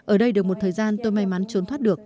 ở đây được một thời gian tôi may mắn trốn thoát được